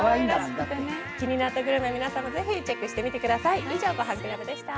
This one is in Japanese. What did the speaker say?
気になったグルメ、皆さんもぜひチェックしてみてください。